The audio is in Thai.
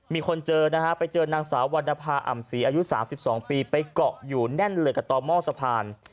มีคนเจอนะฮะไปเจอนางสาววรรณภาอ่ำศรีอายุ๓๒ปีไปเกาะอยู่แน่นเลยกับต่อหม้อสะพาน